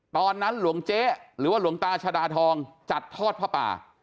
ตอนนั้นหลวงเจห์หรือว่าหลวงตาชะดาทองจัดทอดพระป่า